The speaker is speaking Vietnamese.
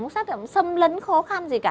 xâm lấn khó khăn gì cả